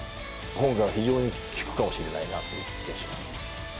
今度は非常に効くかもしれないなという気がします。